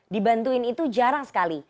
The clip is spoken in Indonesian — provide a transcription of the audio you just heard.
dibantuin itu jarang sekali